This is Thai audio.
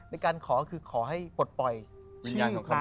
ในการขอคือขอให้ปฏญาขหาย